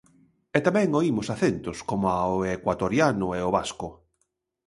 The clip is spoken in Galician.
E tamén oímos acentos coma o ecuatoriano e o vasco.